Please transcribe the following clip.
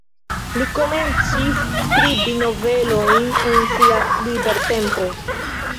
Li komencis skribi novelojn en sia libertempo.